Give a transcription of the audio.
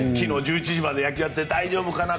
１１時まで野球やって大丈夫かな？